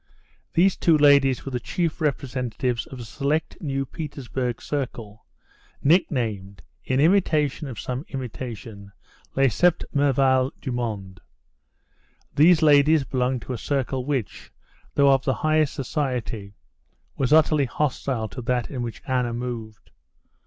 These two ladies were the chief representatives of a select new Petersburg circle, nicknamed, in imitation of some imitation, les sept merveilles du monde. These ladies belonged to a circle which, though of the highest society, was utterly hostile to that in which Anna moved.